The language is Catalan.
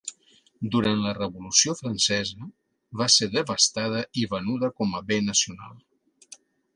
Durant la Revolució Francesa va ser devastada i venuda com a bé nacional.